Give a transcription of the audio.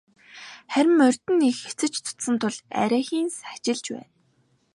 Харин морьд нь их эцэж цуцсан тул арайхийн сажилж байна.